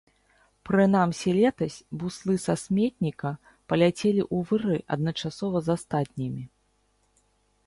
Прынамсі летась буслы са сметніка паляцелі ў вырай адначасова з астатнімі.